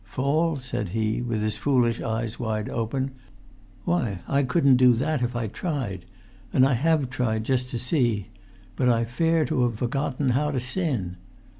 "Fall?" said he, with his foolish eyes wide open.[Pg 226] "Why, I couldn't do that if I tried; and I have tried, just to see; but I fare to have forgotten how to sin.